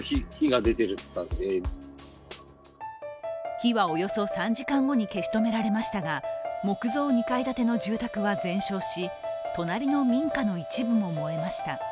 火はおよそ３時間後に消し止められましたが、木材２階建ての住宅は全焼し、隣の民家の一部も燃えました。